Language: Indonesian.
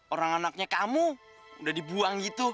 orang anaknya kamu udah dibuang gitu